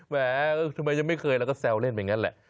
แหมทำไมยังไม่เคยแล้วก็แซวเล่นไปอย่างนั้นแหละ